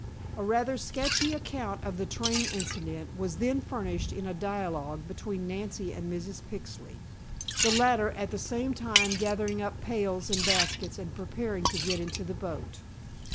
A rather sketchy account of the train incident was then furnished in a dialogue between Nancy and Mrs. Pixley, the latter at the same time gathering up pails and baskets and preparing to get into the boat.